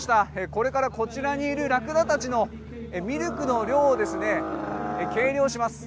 これからこちらにいるラクダたちのミルクの量を計量します。